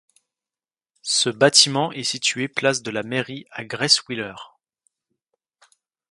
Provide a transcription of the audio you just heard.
Ce bâtiment est situé place de la Mairie à Gresswiller.